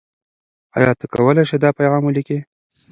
آیا ته کولای شې دا پیغام ولیکې؟